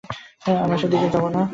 আমরা সেদিকে যাবনা।